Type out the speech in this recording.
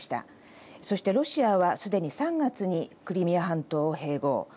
そしてロシアはすでに３月にクリミア半島を併合。